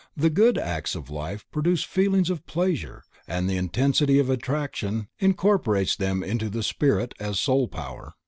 The good acts of life produce feelings of pleasure and the intensity of attraction incorporates them into the spirit as soul power.